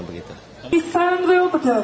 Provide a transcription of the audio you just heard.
ini sangat terhibur